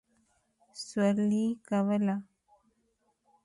سورلي کوله.